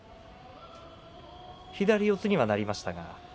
左四つになりましたね。